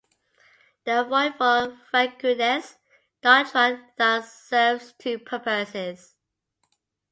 The void for vagueness doctrine thus serves two purposes.